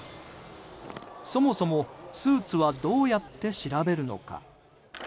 そもそもスーツはどうやって調べるのか。